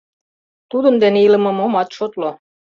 Тудын дене илымым омат шотло.